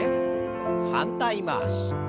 反対回し。